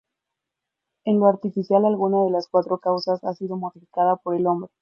En lo artificial alguna de las cuatro causas ha sido modificada por el hombre.